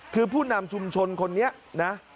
คือผู้นำชุมชนคนนี้นะ